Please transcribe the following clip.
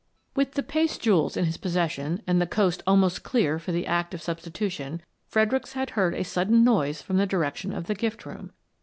With the paste jewels in his possession and the coast almost clear for the act of substitution, Fred ericks had heard a sudden noise from the direction of the gift room.